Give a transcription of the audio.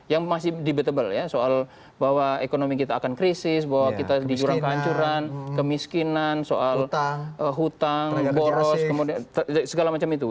yang masih debatable ya soal bahwa ekonomi kita akan krisis bahwa kita dikurang kehancuran kemiskinan soal hutang boros segala macam itu